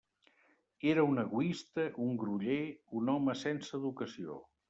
Era un egoista, un groller, un home sense educació.